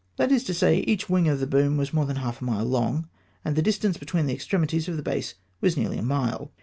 That is to say, each wing of the boom was more than half a mile long, and the distance between the extremi ties of the base was nearly a mile.